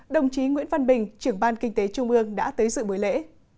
đồng chí nguyễn văn bình trưởng ban kinh tế trung ương đã tới dự buổi lễ